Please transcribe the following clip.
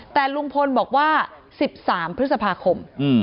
แต่ลุงพลบอกว่า๑๓พฤษภาคม